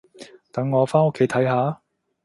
等我返屋企睇下